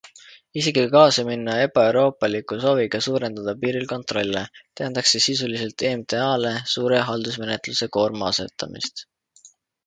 Isegi kui kaasa minna ebaeuroopaliku sooviga suurendada piiril kontrolle, tähendaks see sisuliselt EMTA-le suure haldusmenetluse koorma asetamist.